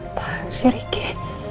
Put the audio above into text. apaan sih ricky